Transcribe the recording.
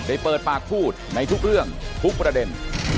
เปิดปากพูดในทุกเรื่องทุกประเด็น